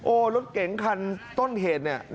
โอ้รถเก๋งคันต้นเหตุ